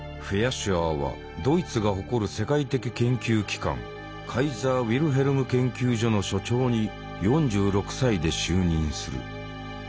シュアーはドイツが誇る世界的研究機関カイザー・ウィルヘルム研究所の所長に４６歳で就任する。